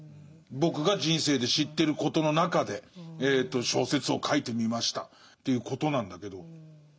僕が人生で知ってることの中で小説を書いてみましたということなんだけど。